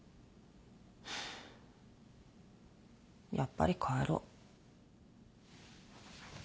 やっぱり帰ろ。